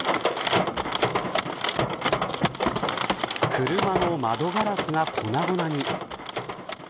車の窓ガラスが粉々に。